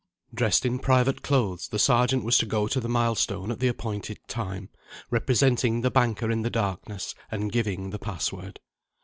Dressed in private clothes, the Sergeant was to go to the milestone at the appointed time, representing the banker in the darkness, and giving the password.